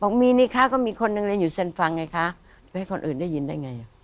บอกมีนี่ค่ะก็มีคนนึงเลี้ยงอยู่เซ็นฟรังไงค่ะไปให้คนอื่นได้ยินได้ไง